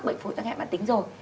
bệnh phối tăng hẹn bản tính rồi